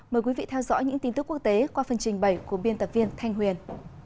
mời quý vị theo dõi những tin tức quốc tế qua phần trình bày của biên tập viên thanh huyền